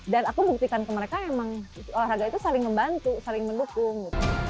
dan aku buktikan ke mereka emang olahraga itu saling membantu saling mendukung